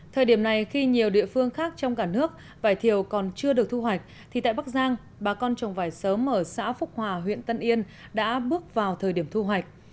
thời điểm này khi nhiều địa phương khác trong cả nước vải thiều còn chưa được thu hoạch thì tại bắc giang bà con trồng vải sớm ở xã phúc hòa huyện tân yên đã bước vào thời điểm thu hoạch